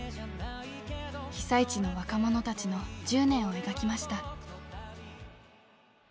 被災地の若者たちの１０年を描きました。